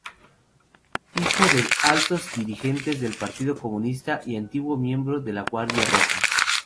Hijo de altos dirigentes del Partido Comunista y antiguo miembro de la Guardia Roja.